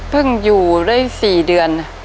เพิ่งอยู่ได้สี่เดือน